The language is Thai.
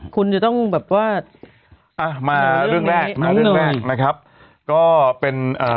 คุณจะต้องแบบว่าอ่ะมาเรื่องแรกมาเรื่องแรกนะครับก็เป็นเอ่อ